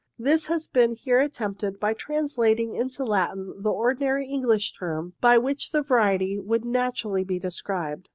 This has been here attempted by translating into Latin the ordi nary English term by which the variety would naturally be described.